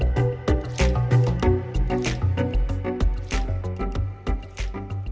cảm ơn các bạn đã theo dõi